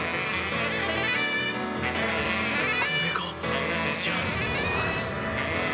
これがジャズ。